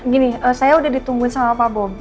gini saya udah ditungguin sama papa bob